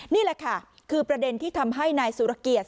นี่แหละค่ะคือประเด็นที่ทำให้นายสุรเกียรติ